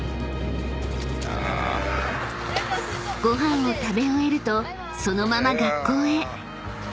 ［ご飯を食べ終えるとそのまま学校へ］